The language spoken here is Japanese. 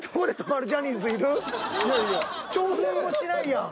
挑戦もしないやん。